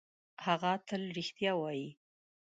هغه تل رښتیا وايي.